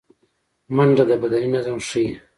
منډه د بدني نظم ښيي